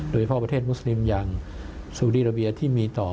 โดยเฉพาะประเทศมุสลิมอย่างสูริราเบียที่มีต่อ